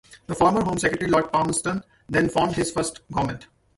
The former Home Secretary, Lord Palmerston, then formed his first government.